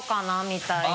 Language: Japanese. みたいな。